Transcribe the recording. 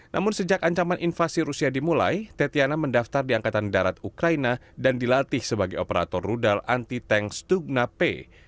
namun sejak ancaman invasi rusia dimulai tetiana mendaftar di angkatan darat ukraina dan dilatih sebagai operator rudal anti tank stugnape